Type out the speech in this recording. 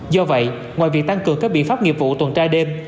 do vậy ngoài việc tăng cường các biện pháp nghiệp vụ tuần tra đêm